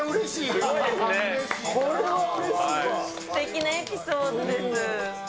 すてきなエピソードです。